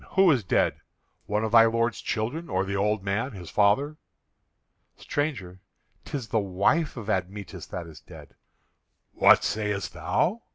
Who is dead? One of thy lord's children, or the old man, his father?" "Stranger, 'tis the wife of Admetus that is dead." "What sayest thou?